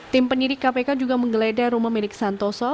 tim penyidik kpk juga menggeledah rumah milik santoso